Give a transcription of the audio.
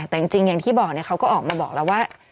แต่จริงอย่างที่บอกเนี่ยเขาก็ออกมาบอกเราว่า